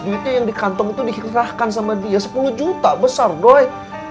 duitnya yang di kantong itu dikerahkan sama dia sepuluh juta besar doy